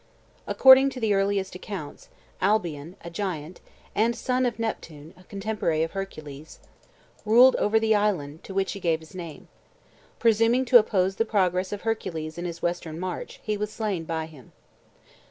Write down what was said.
According to the earliest accounts, Albion, a giant, and son of Neptune, a contemporary of Hercules, ruled over the island, to which he gave his name. Presuming to oppose the progress of Hercules in his western march, he was slain by him.